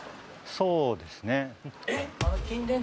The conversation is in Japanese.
そうですね。